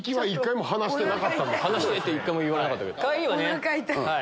おなか痛い。